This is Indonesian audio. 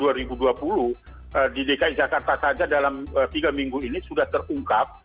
masuk di tahun dua ribu dua puluh di dki jakarta saja dalam tiga minggu ini sudah terungkap